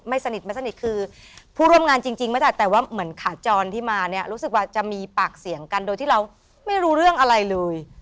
สนิทไม่สนิทคือผู้ร่วมงานจริงไม่ได้แต่ว่าเหมือนขาจรที่มาเนี่ยรู้สึกว่าจะมีปากเสียงกันโดยที่เราไม่รู้เรื่องอะไรเลย